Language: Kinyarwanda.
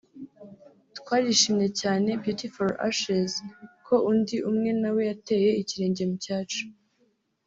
Twarishimye cyane (Beauty For Ashes) ko undi umwe nawe yateye ikirenge mu cyacu